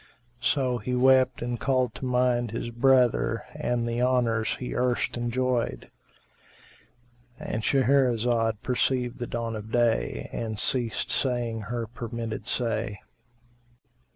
So he wept and called to mind his brother and the honours he erst enjoyed.—And Shahrazad perceived the dawn of day and ceased saying her permitted say.